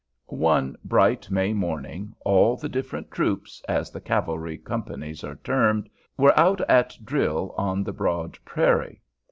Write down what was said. One bright May morning all the different "troops," as the cavalry companies are termed, were out at drill on the broad prairie.